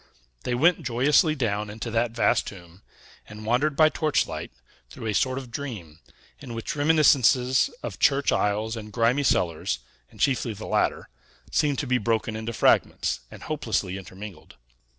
They went joyously down into that vast tomb, and wandered by torchlight through a sort of dream, in which reminiscences of church aisles and grimy cellars and chiefly the latter seemed to be broken into fragments, and hopelessly intermingled.